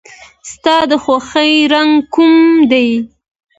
ستا د خوښې رنګ کوم دی؟